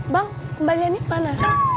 bang kembaliannya mana